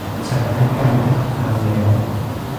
ฉันไม่ไปอีกครั้งแล้ว